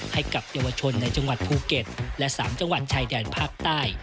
ให้กับเยาวชนในจังหวัดภูเก็ตและ๓จังหวัดชายแดนภาคใต้